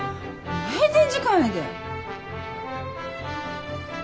閉店時間やで？